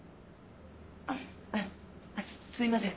あっすいません